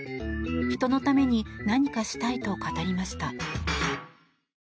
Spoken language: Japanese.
人のために何かしたいと語りました。